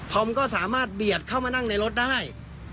อมก็สามารถเบียดเข้ามานั่งในรถได้